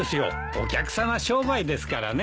お客さま商売ですからね。